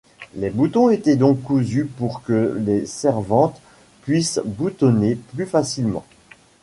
Les boutons étaient donc cousus pour que les servantes puissent boutonner plus facilement.